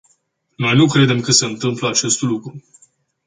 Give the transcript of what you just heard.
Noi nu credem că se întâmplă acest lucru.